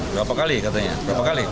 berapa kali katanya berapa kali